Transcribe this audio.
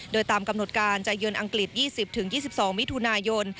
โดยตามกำหนดการจะเยือนอังกฤษ๒๐๒๒มิถุนายน